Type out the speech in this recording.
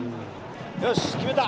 よし、決めた！